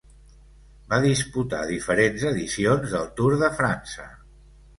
Va disputar diferents edicions del Tour de França.